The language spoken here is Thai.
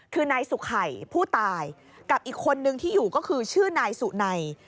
คือนายสุขัยผู้ตายกับอีกคนนึงที่อยู่ก็คือชื่อนายสุนัย